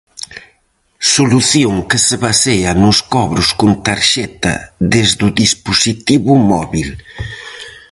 Solución que se basea nos cobros con tarxeta desde o dispositivo móbil.